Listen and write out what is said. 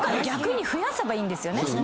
逆に増やせばいいんですよね。